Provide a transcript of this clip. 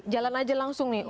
jalan aja langsung nih